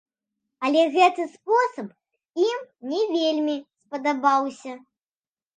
Але гэты спосаб ім не вельмі спадабаўся.